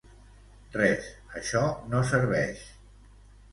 Res; això no serveix.